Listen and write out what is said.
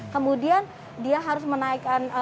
kemudian dia harus menaikkan